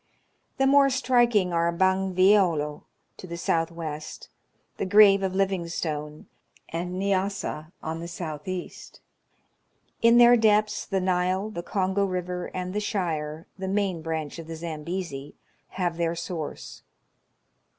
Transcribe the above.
The more striking are Bangvveolo to the south west, the grave of Living stone, and Nyassa on the south east. In their depths the Nile, the Kongo River, and the Shire (the main branch of the Zambezi) have their source.